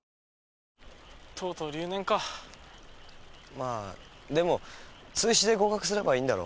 まあでも追試で合格すればいいんだろ。